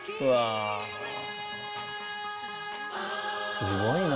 すごいな。